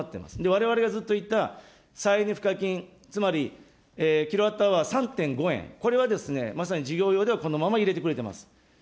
われわれがずっといった、再エネ賦課金、つまりキロワットアワー３．５円、これはまさに事業用ではこのまま入れてくれています。